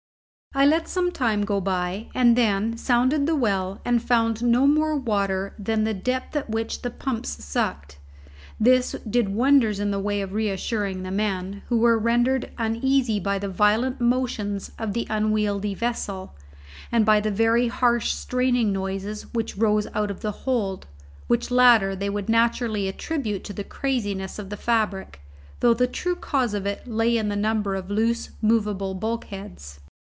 I let some time go by, and then sounded the well and found no more water than the depth at which the pumps sucked. This did wonders in the way of reassuring the men, who were rendered uneasy by the violent motions of the unwieldy vessel, and by the very harsh straining noises which rose out of the hold, which latter they would naturally attribute to the craziness of the fabric, though the true cause of it lay in the number of loose, movable bulkheads.